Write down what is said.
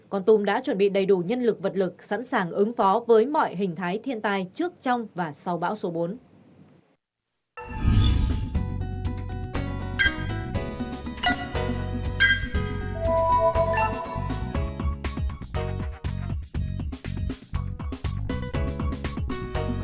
con tum đã chuẩn bị đầy đủ nhân lực vật lực sẵn sàng ứng phó với mọi hình thái thiên tai trước trong và sau bão số bốn